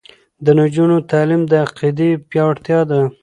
د نجونو تعلیم د عقیدې پیاوړتیا ده.